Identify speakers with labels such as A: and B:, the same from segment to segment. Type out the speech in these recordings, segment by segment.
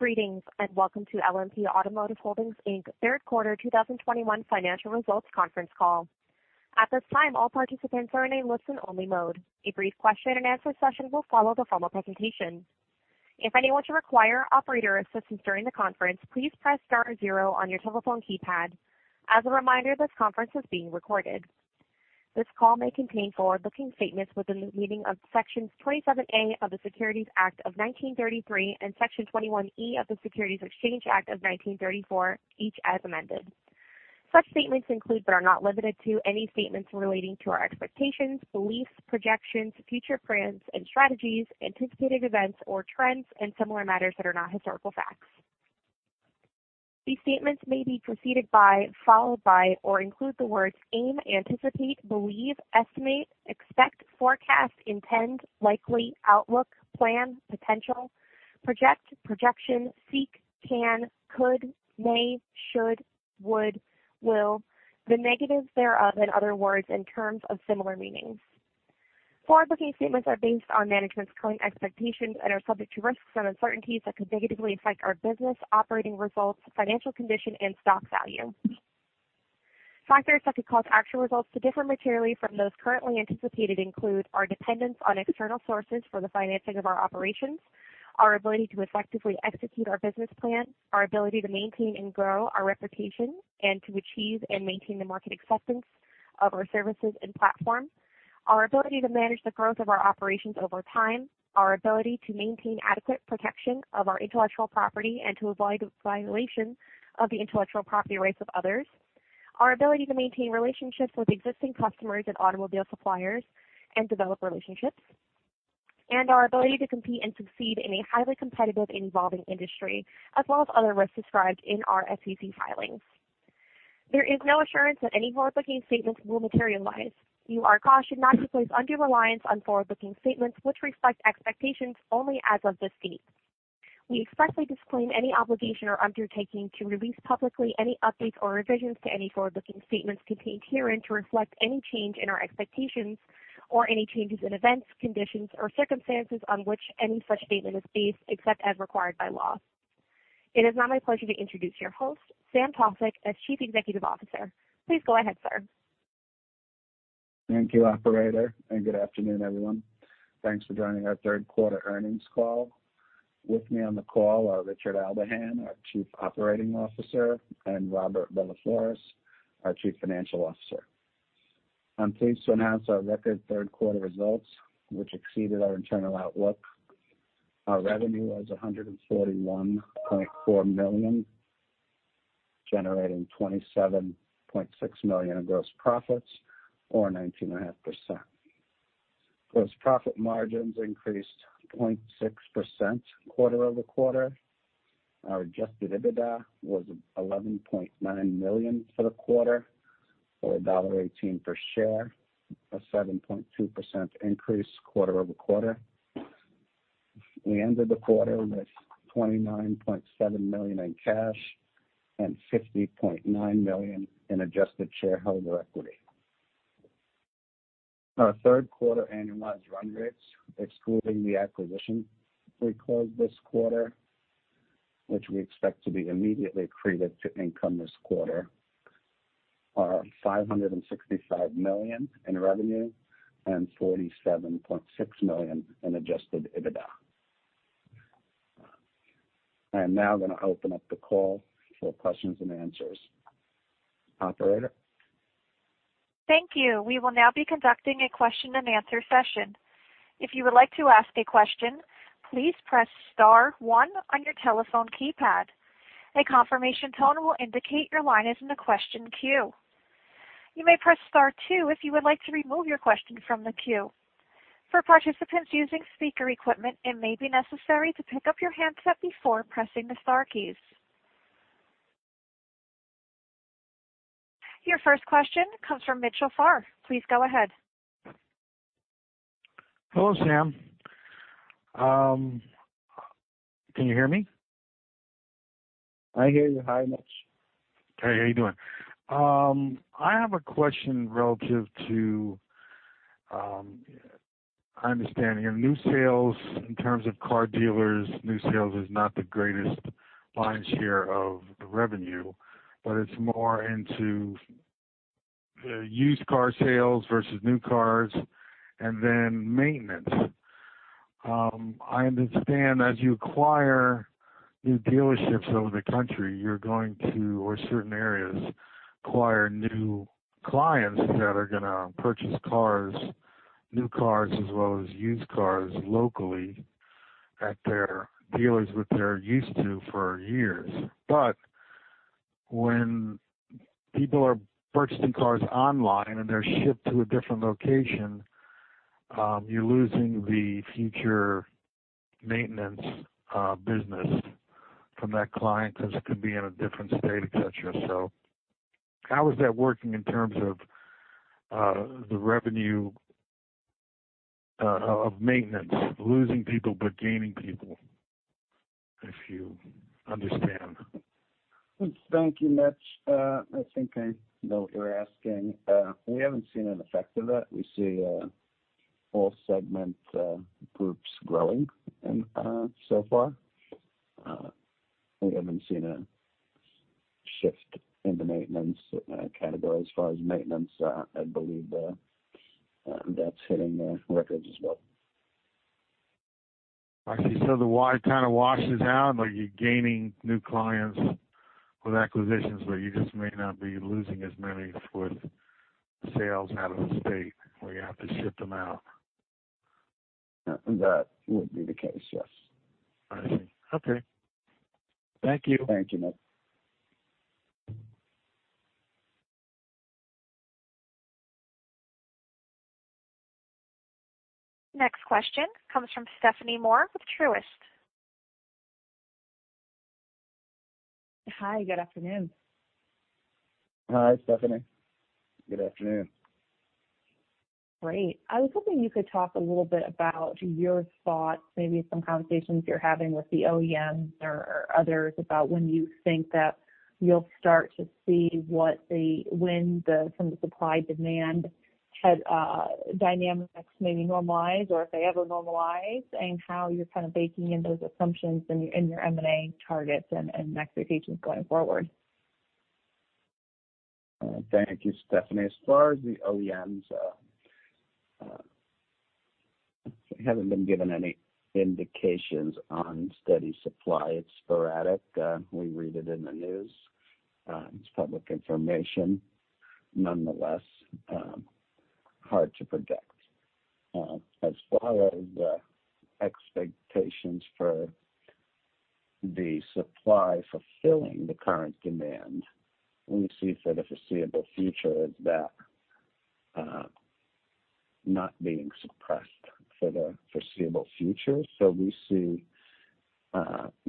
A: Greetings, and welcome to LMP Automotive Holdings, Inc. third quarter 2021 financial results conference call. At this time, all participants are in a listen-only mode. A brief question-and-answer session will follow the formal presentation. If anyone should require operator assistance during the conference, please press star zero on your telephone keypad. As a reminder, this conference is being recorded. This call may contain forward-looking statements within the meaning of Section 27A of the Securities Act of 1933 and Section 21E of the Securities Exchange Act of 1934, each as amended. Such statements include, but are not limited to, any statements relating to our expectations, beliefs, projections, future plans and strategies, anticipated events or trends, and similar matters that are not historical facts. These statements may be preceded by, followed by, or include the words aim, anticipate, believe, estimate, expect, forecast, intend, likely, outlook, plan, potential, project, projection, seek, can, could, may, should, would, will, the negative thereof, and other words in terms of similar meanings. Forward-looking statements are based on management's current expectations and are subject to risks and uncertainties that could negatively affect our business, operating results, financial condition and stock value. Factors that could cause actual results to differ materially from those currently anticipated include our dependence on external sources for the financing of our operations, our ability to effectively execute our business plan, our ability to maintain and grow our reputation and to achieve and maintain the market acceptance of our services and platform, our ability to manage the growth of our operations over time, our ability to maintain adequate protection of our intellectual property and to avoid violation of the intellectual property rights of others, our ability to maintain relationships with existing customers and automobile suppliers and develop relationships, and our ability to compete and succeed in a highly competitive and evolving industry, as well as other risks described in our SEC filings. There is no assurance that any forward-looking statements will materialize. You are cautioned not to place undue reliance on forward-looking statements which reflect expectations only as of this date. We expressly disclaim any obligation or undertaking to release publicly any updates or revisions to any forward-looking statements contained herein to reflect any change in our expectations or any changes in events, conditions, or circumstances on which any such statement is based, except as required by law. It is now my pleasure to introduce your host, Sam Tawfik as Chief Executive Officer. Please go ahead, sir.
B: Thank you, operator, and good afternoon, everyone. Thanks for joining our third quarter earnings call. With me on the call are Richard Aldahan, our Chief Operating Officer, and Robert Bellaflores, our Chief Financial Officer. I'm pleased to announce our record third quarter results, which exceeded our internal outlook. Our revenue was $141.4 million, generating $27.6 million in gross profits or 19.5%. Gross profit margins increased 0.6% quarter-over-quarter. Our adjusted EBITDA was $11.9 million for the quarter, or $1.18 per share, a 7.2% increase quarter-over-quarter. We ended the quarter with $29.7 million in cash and $50.9 million in adjusted shareholder equity. Our third quarter annualized run rates, excluding the acquisition we closed this quarter, which we expect to be immediately accretive to income this quarter, are $565 million in revenue and $47.6 million in adjusted EBITDA. I am now gonna open up the call for questions and answers. Operator?
A: Thank you. We will now be conducting a question-and-answer session. If you would like to ask a question, please press star one on your telephone keypad. A confirmation tone will indicate your line is in the question queue. You may press star two if you would like to remove your question from the queue. For participants using speaker equipment, it may be necessary to pick up your handset before pressing the star keys. Your first question comes from Mitchell Farr. Please go ahead.
C: Hello, Sam. Can you hear me?
B: I hear you. Hi, Mitch.
C: Hey, how are you doing? I have a question relative to, I understand your new sales in terms of car dealers, new sales is not the greatest lion's share of the revenue, but it's more into the used car sales versus new cars and then maintenance. I understand as you acquire new dealerships over the country, you're going to, or certain areas, acquire new clients that are gonna purchase cars, new cars as well as used cars locally at their dealers, which they're used to for years. But when people are purchasing cars online and they're shipped to a different location, you're losing the future maintenance business from that client 'cause it could be in a different state, etc. How is that working in terms of the revenue of maintenance, losing people, but gaining people? If you understand.
B: Thank you, Mitch. I think I know what you're asking. We haven't seen an effect of that. We see all segment groups growing and so far. We haven't seen a shift in the maintenance category as far as maintenance. I believe that's hitting the records as well. So.
C: I see. The why kinda washes out, like you're gaining new clients with acquisitions, but you just may not be losing as many with sales out of the state, where you have to ship them out.
B: That would be the case, yes.
C: I see. Okay. Thank you.
B: Thank you, Mitch.
A: Next question comes from Stephanie Moore with Truist.
D: Hi, good afternoon.
B: Hi, Stephanie. Good afternoon.
D: Great. I was hoping you could talk a little bit about your thoughts, maybe some conversations you're having with the OEMs or others about when you think that you'll start to see when the some of the supply demand dynamics maybe normalize, or if they ever normalize, and how you're kind of baking in those assumptions in your M&A targets and expectations going forward.
B: Thank you, Stephanie. As far as the OEMs, we haven't been given any indications on steady supply. It's sporadic. We read it in the news. It's public information, nonetheless, hard to predict. As far as the expectations for the supply fulfilling the current demand, we see for the foreseeable future is that, not being suppressed for the foreseeable future. We see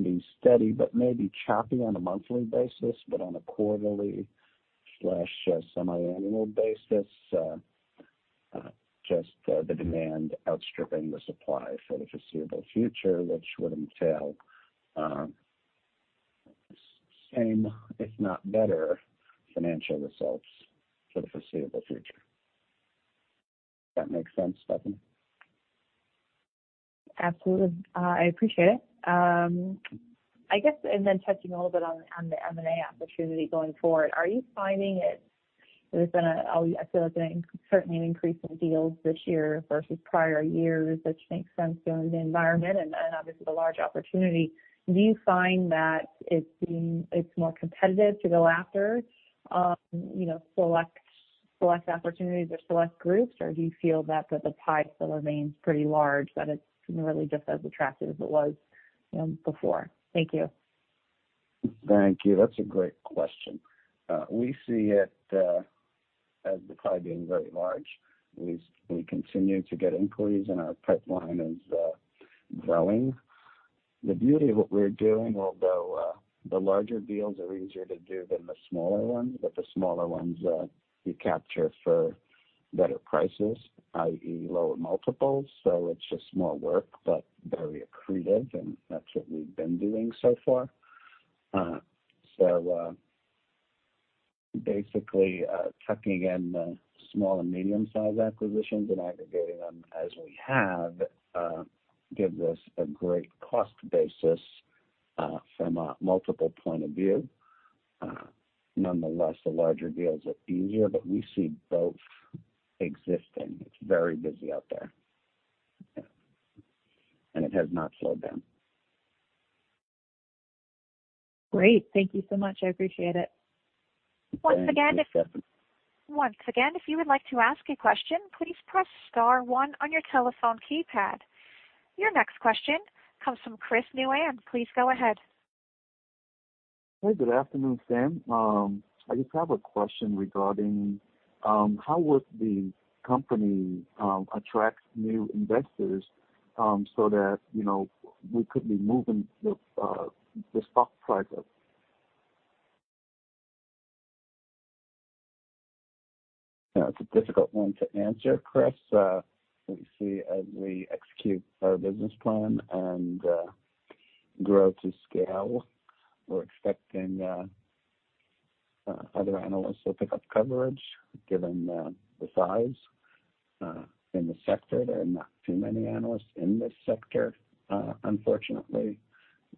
B: being steady but maybe choppy on a monthly basis, but on a quarterly/semi-annual basis, just the demand outstripping the supply for the foreseeable future, which would entail same if not better financial results for the foreseeable future. That make sense, Stephanie?
D: Absolutely. I appreciate it. I guess touching a little bit on the M&A opportunity going forward, are you finding it? I feel like there's been certainly an increase in deals this year versus prior years, which makes sense given the environment and obviously the large opportunity. Do you find that it's more competitive to go after, you know, select opportunities or select groups? Or do you feel that the pie still remains pretty large, that it's really just as attractive as it was, you know, before? Thank you.
B: Thank you. That's a great question. We see it as the pipe being very large. We continue to get inquiries, and our pipeline is growing. The beauty of what we're doing, although the larger deals are easier to do than the smaller ones, but the smaller ones we capture for better prices, i.e., lower multiples, so it's just more work but very accretive, and that's what we've been doing so far. So, basically, tucking in small and medium-sized acquisitions and aggregating them as we have gives us a great cost basis from a multiple point of view. Nonetheless, the larger deals are easier, but we see both existing. It's very busy out there. It has not slowed down.
D: Great. Thank you so much. I appreciate it.
B: Thank you, Stephanie.
A: Once again, if you want to ask question. Please press star one on your telephone keypad. Your next question comes from Chris Nguyen. Please go ahead.
C: Hey, good afternoon, Sam. I just have a question regarding how would the company attract new investors so that, you know, we could be moving the stock prices?
B: That's a difficult one to answer, Chris. We see as we execute our business plan and grow to scale, we're expecting other analysts to pick up coverage given the size in the sector. There are not too many analysts in this sector. Unfortunately,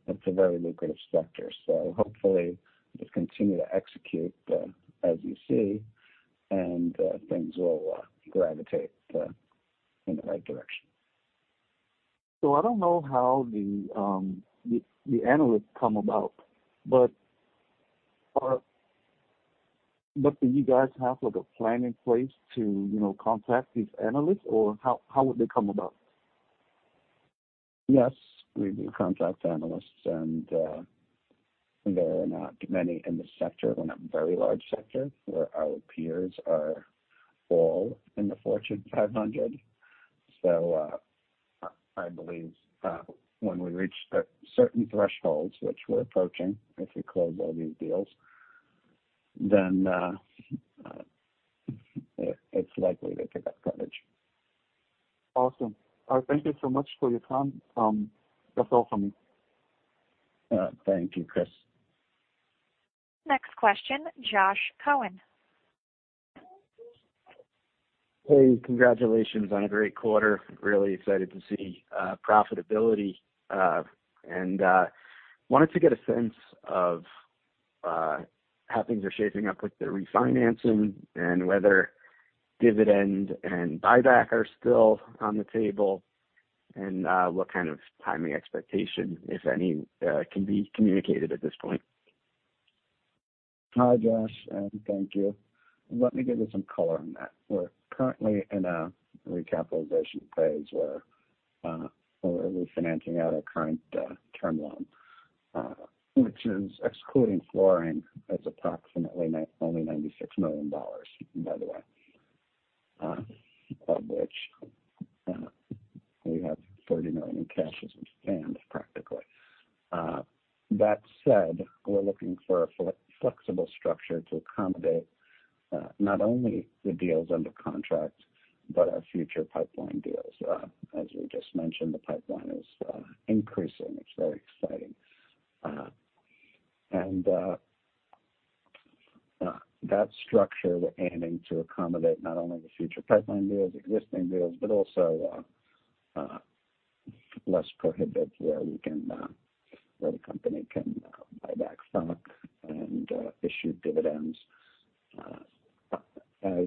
B: it's a very lucrative sector, so hopefully, just continue to execute as you see, and things will gravitate in the right direction.
C: I don't know how the analysts come about, but do you guys have, like, a plan in place to, you know, contact these analysts, or how would they come about?
B: Yes, we do contact analysts, and there are not many in this sector. We're in a very large sector, where our peers are all in the Fortune 500. So, I believe when we reach the certain thresholds, which we're approaching, if we close all these deals, then it's likely they'll get that coverage.
C: Awesome. All right, thank you so much for your time. That's all for me.
B: Thank you, Chris.
A: Next question, Josh Cohen.
E: Hey, congratulations on a great quarter. Really excited to see profitability. Wanted to get a sense of how things are shaping up with the refinancing and whether dividend and buyback are still on the table, and what kind of timing expectation, if any, can be communicated at this point.
B: Hi, Josh, and thank you. Let me give you some color on that. We're currently in a recapitalization phase where we're refinancing out our current term loan, which is excluding flooring, is approximately only $96 million dollars, by the way, of which we have $30 million in cash as we stand practically. That said, we're looking for a flexible structure to accommodate not only the deals under contract but our future pipeline deals. As we just mentioned, the pipeline is increasing. It's very exciting. And that structure aiming to accommodate not only the future pipeline deals, existing deals, but also less prohibitive where we can. Where the company can buy back stock and issue dividends as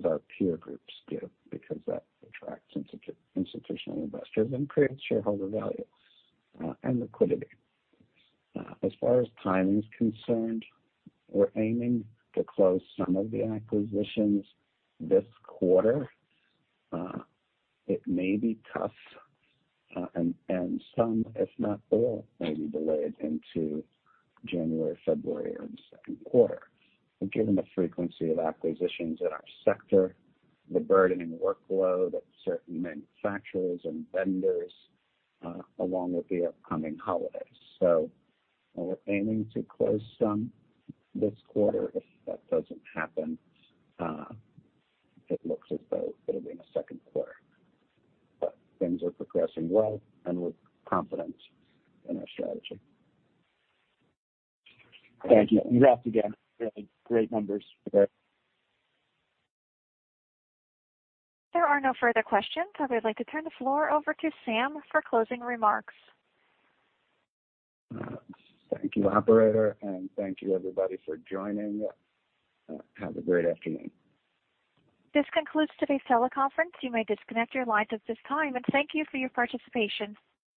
B: our peer groups do, because that attracts institutional investors and creates shareholder value and liquidity. As far as timing is concerned, we're aiming to close some of the acquisitions this quarter. It may be tough, and some, if not all, may be delayed into January, February or the second quarter, given the frequency of acquisitions in our sector, the burden and workload of certain manufacturers and vendors along with the upcoming holidays. So, while we're aiming to close some this quarter, if that doesn't happen, it looks as though it'll be in the second quarter. Things are progressing well and we're confident in our strategy.
E: Thank you. Congrats again. Really great numbers today.
A: There are no further questions, so I'd like to turn the floor over to Sam for closing remarks.
B: Thank you, operator, and thank you everybody for joining. Have a great afternoon.
A: This concludes today's teleconference. You may disconnect your lines at this time, and thank you for your participation.